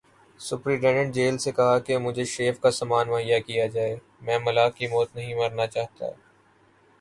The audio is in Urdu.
سپرنٹنڈنٹ جیل سے کہا کہ مجھے شیو کا سامان مہیا کیا جائے، میں ملا کی موت نہیں مرنا چاہتا۔